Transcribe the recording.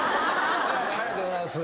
「ありがとうございます」